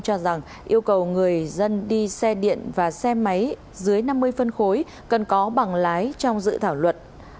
cho rằng yêu cầu người dân đi xe điện và xe máy dưới năm mươi phân khối cần có bằng lái trong dự thảo luật